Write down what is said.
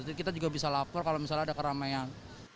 jadi kita juga bisa lapor kalau misalnya ada keramaian